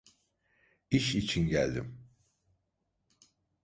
İş için geldim.